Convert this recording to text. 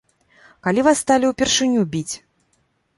Калі вас сталі ўпершыню біць?